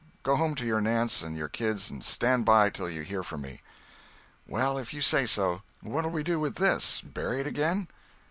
Go home to your Nance and your kids, and stand by till you hear from me." "Well—if you say so; what'll we do with this—bury it again?"